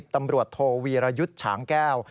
ตำรวจโทวีรยุทธ์ฉางแก้ว